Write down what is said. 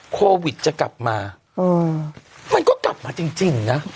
โควิดจะกลับมามันก็กลับมาจริงนะ